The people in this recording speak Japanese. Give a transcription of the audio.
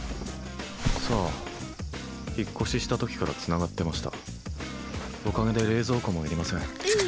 さあ引っ越ししたときからつながってましたおかげで冷蔵庫もいりません